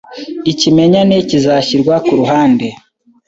ikimenyane kizashyirwa ku ruhande